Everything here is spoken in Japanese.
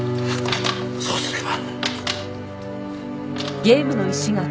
そうすれば。